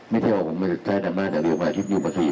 ไม่ใช่ว่าผมได้ประกอบมาได้เรียเวียบมา๔ปี